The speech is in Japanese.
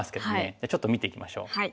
じゃあちょっと見ていきましょう。